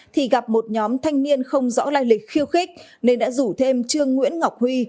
thì gặp một nhóm thanh niên không rõ lai lịch khiêu khích nên đã rủ thêm trương nguyễn ngọc huy